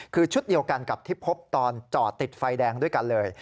คือชุดเดียวกันกับที่พบตอนจอดติดไฟแดงด้วยกันเลย